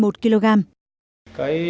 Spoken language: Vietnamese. vụ rong giềng năm nay